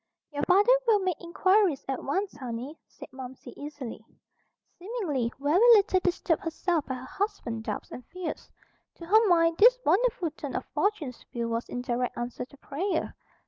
"Your father will make inquiries at once, honey," said Momsey easily, seemingly very little disturbed herself by her husband's doubts and fears. To her mind this wonderful turn of fortune's wheel was in direct answer to prayer.